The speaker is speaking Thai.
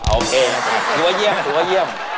โอเคโอเค